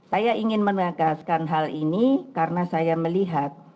saya ingin menegaskan hal ini karena saya melihat